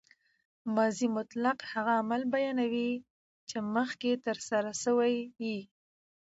ماضي مطلق هغه عمل بیانوي، چي مخکښي ترسره سوی يي.